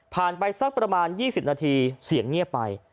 ไปสักประมาณ๒๐นาทีเสียงเงียบไป